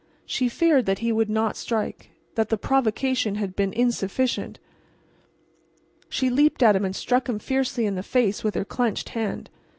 She feared that he would not strike—that the provocation had been insufficient. She leaped at him and struck him fiercely in the face with her clenched hand.